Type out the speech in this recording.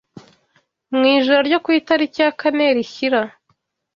Mu ijoro ryo ku itariki ya kane rishyira